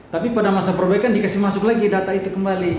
tapi pada masa perbaikan dikasih masuk lagi data itu kembali